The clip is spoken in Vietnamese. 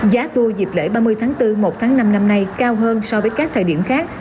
giá tour dịp lễ ba mươi tháng bốn một tháng năm năm nay cao hơn so với các thời điểm khác